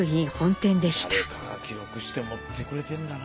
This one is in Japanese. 誰かが記録して持ってくれてんだな。